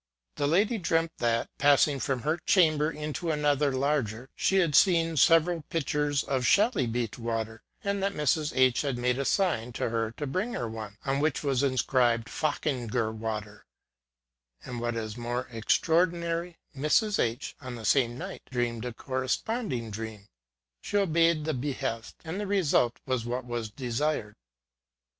The lady dreamt that, passing from her chamber into another larger, she had seen several pitchers of chalybeate water, and that Mrs. H had made a sign to her to britig her one on which was inscribed "^ Fachinger water ;* and, what is most extraordin ary, Mrs. H on the same night dreamt a cor responding dream. She obeyed the behest, and the result was what was desired.